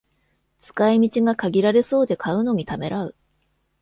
使い道が限られそうで買うのにためらう